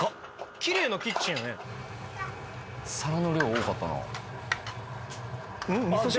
きれいなキッチンやね皿の量多かったなん？